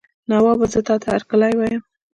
نوابه زه تاته هرکلی وایم.